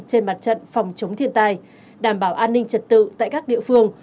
trên mặt trận phòng chống thiên tai đảm bảo an ninh trật tự tại các địa phương